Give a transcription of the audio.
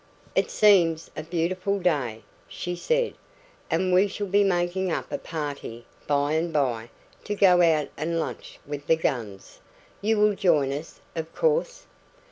"It seems a beautiful day," she said, "and we shall be making up a party by and by to go out and lunch with the guns. You will join us, of course?"